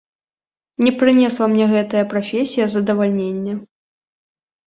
Не прынесла мне гэтая прафесія задавальнення.